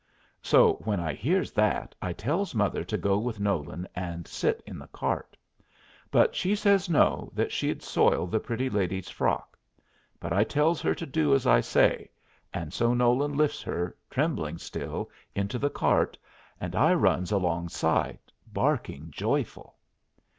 So when I hears that I tells mother to go with Nolan and sit in the cart; but she says no that she'd soil the pretty lady's frock; but I tells her to do as I say, and so Nolan lifts her, trembling still, into the cart, and I runs alongside, barking joyful.